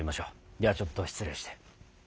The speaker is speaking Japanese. ではちょっと失礼して。